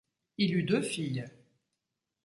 Il eut deux filles.